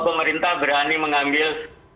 pemerintah berani mengambil